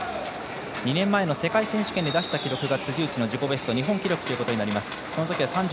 ２年前の世界選手権で出した記録が辻内の自己ベスト、日本記録ということになります。